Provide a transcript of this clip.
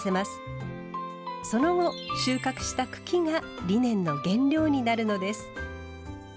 その後収穫した茎がリネンの原料になるのです。